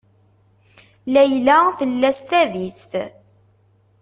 Layla tella s tadist.